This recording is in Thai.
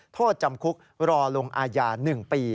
โทษจำคุกรอลงอาญา๑ปี